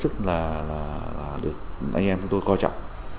thứ nhất là được anh em chúng tôi coi trọng